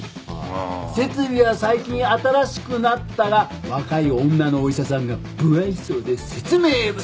「設備は最近新しくなったが若い女のお医者さんが不愛想で説明不足」